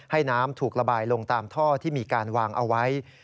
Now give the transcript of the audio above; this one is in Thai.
ให้น้ำถูกระบายลงตามท่อที่มีการวางเอาไว้